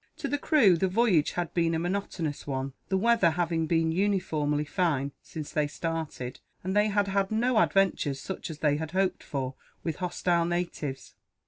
To the crew, the voyage had been a monotonous one; the weather having been uniformly fine, since they started; and they had had no adventures, such as they had hoped for, with hostile natives.